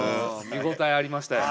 見応えありましたよ。